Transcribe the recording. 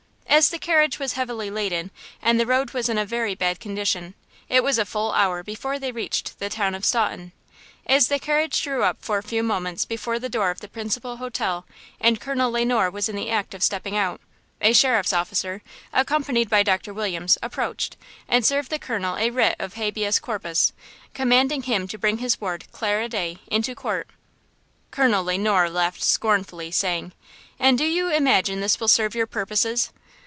As the carriage was heavily laden, and the road was in a very bad condition, it was a full hour before they reached the town of Staunton. As the carriage drew up for a few moments before the door of the principal hotel, and Colonel Le Noir was in the act of stepping out, a sheriff's officer, accompanied by Dr. Williams, approached, and served upon the colonel a writ of habeas corpus, commanding him to bring his ward, Clara Day, into court. Colonel Le Noir laughed scornfully, saying: "And do you imagine this will serve your purposes?